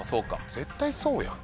絶対そうやん。